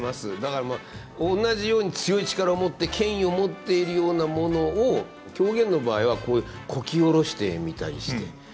だからおんなじように強い力を持って権威を持っているようなものを狂言の場合はこき下ろしてみたりして。